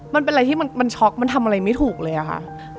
มันเป็นอะไรที่มันช็อกมันทำอะไรไม่ถูกเลยอะค่ะ